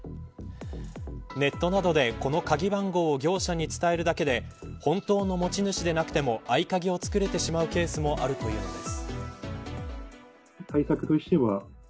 ネットなどで、この鍵番号を業者に伝えるだけで本当の持ち主でなくても合鍵を作れてしまうケースもあるというのです。